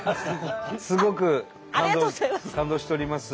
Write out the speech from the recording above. すごく感動しております。